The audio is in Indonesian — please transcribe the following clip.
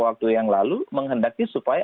waktu yang lalu menghendaki supaya